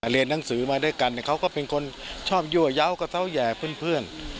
เรียนหนังสือมาด้วยกันเขาก็เป็นคนชอบยั่วเยาว์กระเช้าแห่เพื่อน